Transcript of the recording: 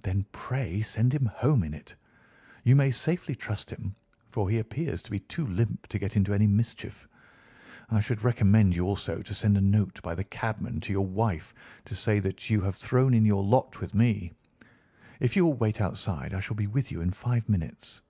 "Then pray send him home in it. You may safely trust him, for he appears to be too limp to get into any mischief. I should recommend you also to send a note by the cabman to your wife to say that you have thrown in your lot with me. If you will wait outside, I shall be with you in five minutes."